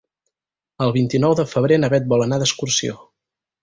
El vint-i-nou de febrer na Bet vol anar d'excursió.